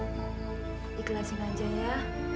diklasin aja ya